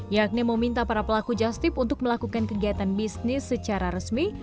yakni meminta para pelaku justip untuk melakukan kegiatan bisnis secara resmi